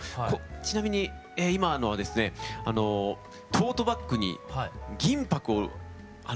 ちなみに今のはですねトートバッグに銀ぱくを塗ってるっていう。